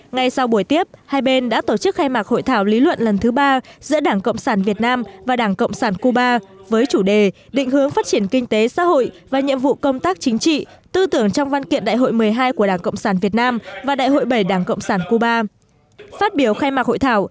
ngay sau buổi tiếp hai bên đã tổ chức khai mạc hội thảo lý luận lần thứ ba giữa đảng cộng sản việt nam và đảng cộng sản cuba với chủ đề định hướng phát triển kinh tế xã hội và nhiệm vụ công tác chính trị tư tưởng trong văn kiện đại hội một mươi hai của đảng cộng sản việt nam và đại hội bảy đảng cộng sản cuba